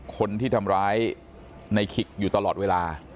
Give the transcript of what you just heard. คนที่ทำร้ายในขิกอยู่ตลอดเวลา